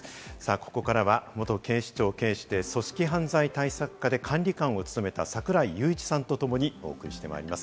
ここからは元警視庁警視で組織犯罪対策課で管理官を務めた櫻井裕一さんとともにお送りしています。